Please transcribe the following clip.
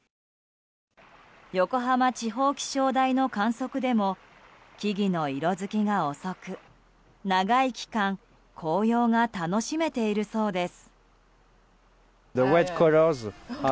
横浜地方気象台の観測でも木々の色づきが遅く、長い期間紅葉が楽しめているそうです。